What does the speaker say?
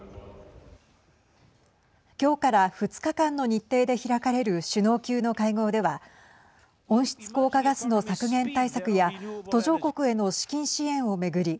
今日から２日間の日程で開かれる首脳級の会合では温室効果ガスの削減対策や途上国への資金支援を巡り